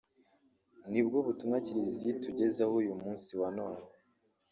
nibwo butumwa Kiliziya itugezaho uyu munsi wa none